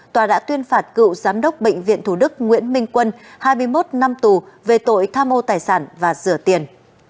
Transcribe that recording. tòa đã tuyên phạt cựu giám đốc bệnh viện thủ đức nguyễn minh quân hai mươi một năm tù về tội tham mô tài sản và rửa tiền